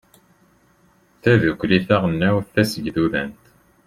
tadukli taɣelnawt tamsegdudant